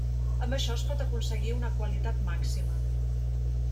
Amb això es pot aconseguir una qualitat màxima.